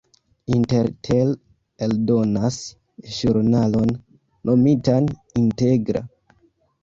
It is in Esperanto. Intertel eldonas ĵurnalon nomitan "Integra".